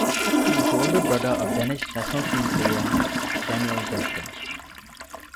He is the older brother of Danish national team player Daniel Jensen.